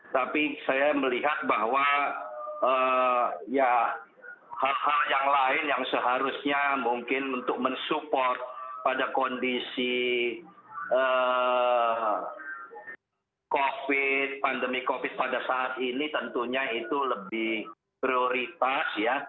tapi saya melihat bahwa ya hal hal yang lain yang seharusnya mungkin untuk mensupport pada kondisi covid pandemi covid pada saat ini tentunya itu lebih prioritas ya